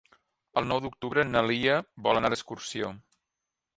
El nou d'octubre na Lia vol anar d'excursió.